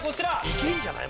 いけんじゃない？